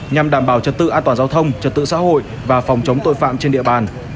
nhằm đảm bảo trật tự an toàn giao thông trật tự xã hội và phòng chống tội phạm trên địa bàn